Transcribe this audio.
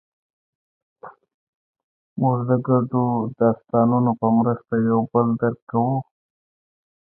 موږ د ګډو داستانونو په مرسته یو بل درک کوو.